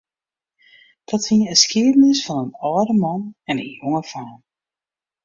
Dat wie in skiednis fan in âlde man en in jonge faam.